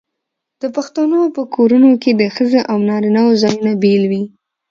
د پښتنو په کورونو کې د ښځو او نارینه وو ځایونه بیل وي.